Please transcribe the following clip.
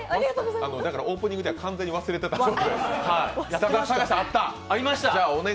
だからオープニングでは完全に忘れていたんですね。